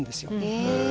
へえ。